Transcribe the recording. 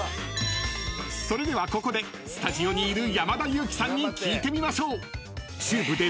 ［それではここでスタジオにいる山田裕貴さんに聞いてみましょう］